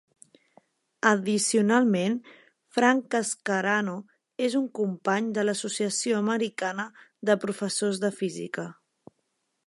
Addicionalment, Frank Cascarano és un Company de l'Associació americana de Professors de Física.